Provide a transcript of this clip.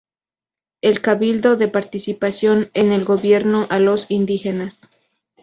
El Cabildo da participación en el gobierno a los indígenas.